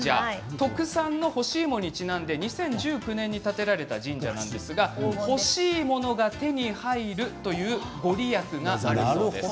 特産の干し芋にちなんで２０１９年に建てられた神社なんですが欲しいものが手に入るという御利益が。